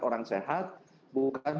orang sehat bukan